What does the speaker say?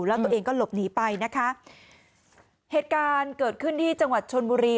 แล้วตัวเองก็หลบหนีไปนะคะเหตุการณ์เกิดขึ้นที่จังหวัดชนบุรี